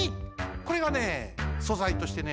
これがねそざいとしてね